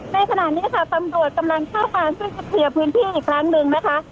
ในขณะนี้ค่ะตำรวจกำลังเข้ามาซึ่งจะเคลียร์พื้นที่อีกครั้งหนึ่งนะคะ